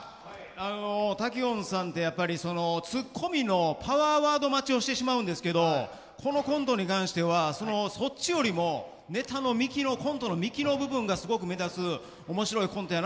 あの滝音さんってやっぱりツッコミのパワーワード待ちをしてしまうんですけどこのコントに関してはそっちよりもネタの幹コントの幹の部分がすごく目立つ面白いコントやなと思いました。